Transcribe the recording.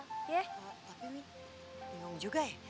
tapi mih bingung juga ya